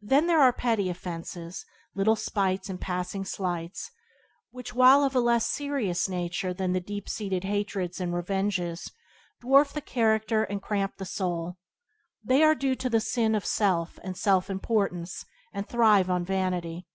Then there are petty offences, little spites and passing slights, which, while of a less serious nature than deep seated hatreds and revenges, dwarf the character and cramp the soul. They are due to the sin of self and self importance and thrive on vanity.